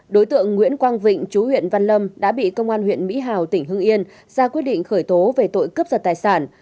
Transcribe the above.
đối tượng nguyễn quang vịnh chú huyện văn lâm đã bị công an huyện mỹ hào tỉnh hưng yên ra quyết định khởi tố về tội cướp giật tài sản